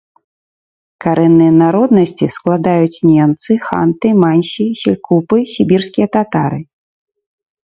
Карэнныя народнасці складаюць ненцы, ханты, мансі, селькупы, сібірскія татары.